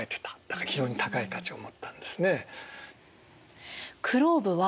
だから非常に高い価値を持ったんですね。